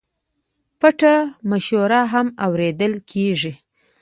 پټه مشوره هم اورېدل کېږي.